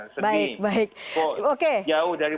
senang jauh dari